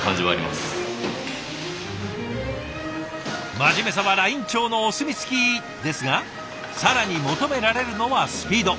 真面目さはライン長のお墨付きですが更に求められるのはスピード。